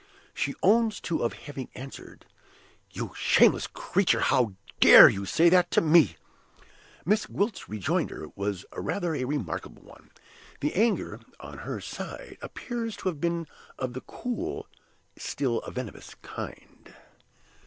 She owns to having answered, 'You shameless creature, how dare you say that to me!' Miss Gwilt's rejoinder was rather a remarkable one the anger, on her side, appears to have been of the cool, still, venomous kind.